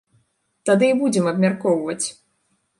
Тады і будзем абмяркоўваць!